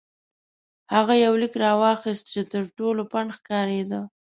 هغه یو لیک راواخیست چې تر ټولو پڼد ښکارېده.